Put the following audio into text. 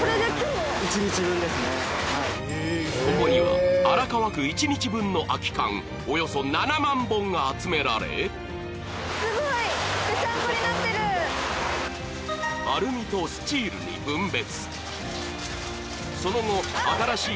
ここには荒川区一日分の空き缶、およそ７万本が集められ、アルミとスチールに分別。